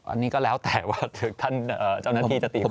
อันนี้ก็แล้วแต่ว่าท่านเจ้าหน้าที่จะตีความ